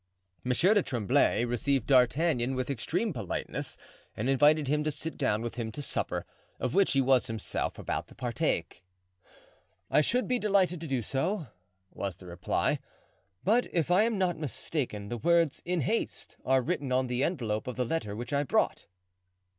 Monsieur du Tremblay received D'Artagnan with extreme politeness and invited him to sit down with him to supper, of which he was himself about to partake. "I should be delighted to do so," was the reply; "but if I am not mistaken, the words 'In haste,' are written on the envelope of the letter which I brought."